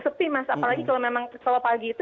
sepi mas apalagi kalau memang kalau pagi itu